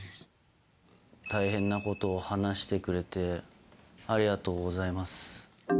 大変なことを話してくれてありがとうございます。